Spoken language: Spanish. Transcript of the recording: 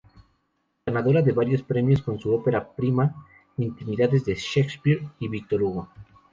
Ganadora de varios premios con su ópera prima, "Intimidades de Shakespeare y Víctor Hugo".